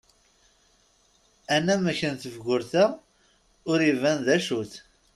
Anamek n tefgurt-a ur iban d acu-t.